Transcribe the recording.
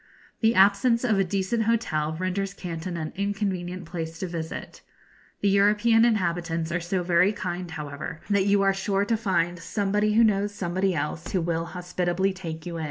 The absence of a decent hotel renders Canton an inconvenient place to visit. The European inhabitants are so very kind, however, that you are sure to find somebody who knows somebody else who will hospitably take you in.